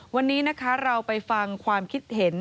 วันนี้นะคะเราไปฟังความคิดเห็น